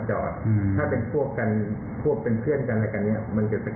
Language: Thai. แต่ถ้าเป็นรถนอกเข้ามาปุ๊บมันจะตามไม่ได้เนี่ย